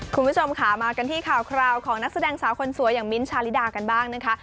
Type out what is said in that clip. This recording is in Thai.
คุณผู้ชมค่ะมากันที่ข่าวคราวของนักแสดงสาวคนสวยอย่างมิ้นท์ชาลิดากันบ้างนะคะ